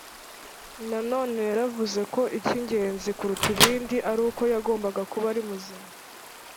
nanone yavuze ko ik ingenzi kuruta ibindi ari uko yagombaga kuba ari muzima